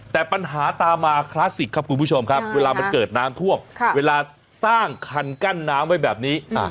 แต่ปัญหาตามมาคลาสสิกครับคุณผู้ชมครับเวลามันเกิดน้ำท่วมเวลาสร้างคันกั้นน้ำไว้แบบนี้